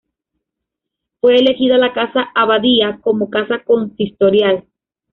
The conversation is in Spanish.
Fue elegida la Casa-Abadía como Casa Consistorial.